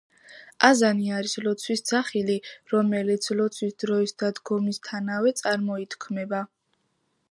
აზანი არის ლოცვის ძახილი, რომელიც ლოცვის დროის დადგომისთანავე წარმოითქმება.